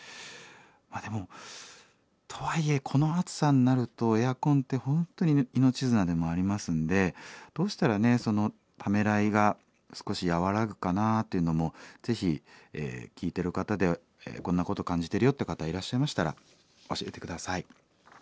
でもとはいえこの暑さになるとエアコンって本当に命綱でもありますんでどうしたらねそのためらいが少し和らぐかなっていうのもぜひ聴いてる方でこんなこと感じてるよって方いらっしゃいましたら教えて下さい。